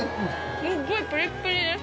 すごいプリップリです。